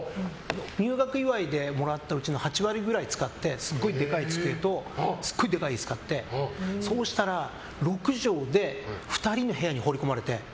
入学祝いでもらったうちの８割くらいを使ってすごいでかい机と椅子を買ってそうしたら、６畳で２人の部屋に放り込まれて。